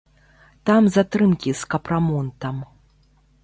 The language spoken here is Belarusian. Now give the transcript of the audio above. Там затрымкі з капрамонтам.